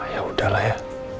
ya udahlah ya